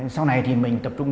sau này thì mình tập trung